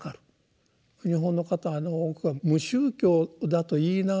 日本の方の多くは無宗教だと言いながら宗教心は大事だと。